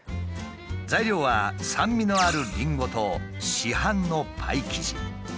材料は酸味のあるりんごと市販のパイ生地。